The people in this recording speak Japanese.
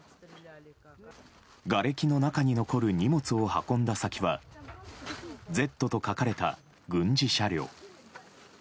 がれきの中に残る荷物を運んだ先は「Ｚ」と書かれた軍事車両。